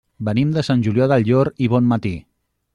Venim de Sant Julià del Llor i Bonmatí.